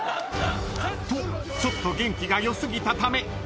［とちょっと元気が良過ぎたため］